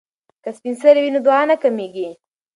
که سپین سرې وي نو دعا نه کمیږي.